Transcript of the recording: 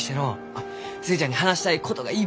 あっ寿恵ちゃんに話したいことがいっぱい。